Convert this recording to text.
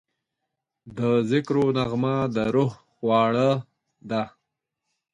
د ذکرو نغمه د روح خواړه ده.